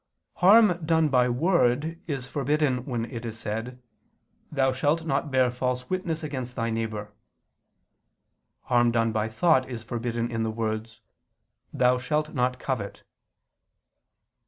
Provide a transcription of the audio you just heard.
Harm done by word is forbidden when it is said, "Thou shalt not bear false witness against thy neighbor": harm done by thought is forbidden in the words, "Thou shalt not covet."